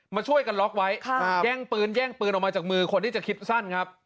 มาช่วยกันล็อคไว้แย่งปืนออกมาจากมือคนที่จะคลิบสั้น